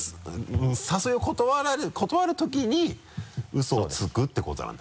誘いを断るときにウソをつくってことなんだ。